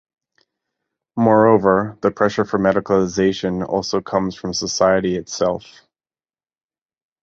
Moreover, the pressure for medicalization also comes from society itself.